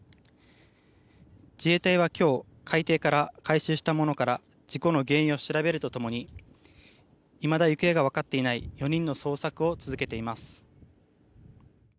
自衛隊は今日、海底から回収したものから事故の原因を調べるとともにいまだ行方がわかっていない４人の捜索を続けています。